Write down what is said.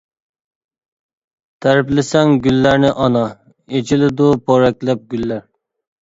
تەرىپلىسەڭ گۈللەرنى ئانا، ئېچىلىدۇ پورەكلەپ گۈللەر.